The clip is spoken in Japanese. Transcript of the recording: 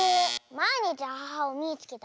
「まいにちアハハをみいつけた！」